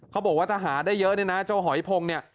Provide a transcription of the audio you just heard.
เขาบอกว่าถ้าหาได้เยอะเนี่ยนะเจ้าหอยพงเนี่ย